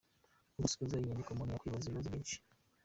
Mu gusoza iyi nyandiko umuntu yakwibaza ibibazo byinshi: